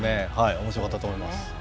おもしろかったと思います。